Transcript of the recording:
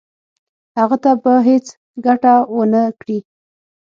هغه ته به هیڅ ګټه ونه کړي.